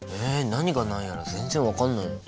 何が何やら全然分かんないよ。